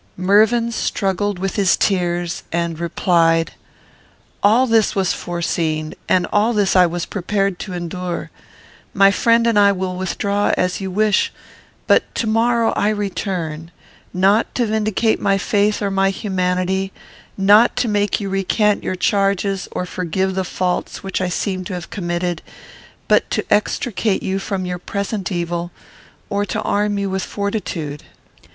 Mervyn struggled with his tears, and replied, "All this was foreseen, and all this I was prepared to endure. My friend and I will withdraw, as you wish; but to morrow I return; not to vindicate my faith or my humanity; not to make you recant your charges, or forgive the faults which I seem to have committed, but to extricate you from your present evil, or to arm you with fortitude."